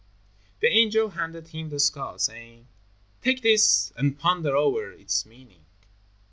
The angel handed him the skull, saying: "Take this and ponder o'er its meaning."